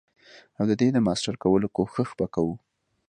او ددی د ماستر کولو کوښښ به کوو.